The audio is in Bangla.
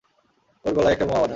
ওর গলায় একটা বোমা বাঁধা!